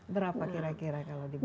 berapa kira kira kalau dibutuhkan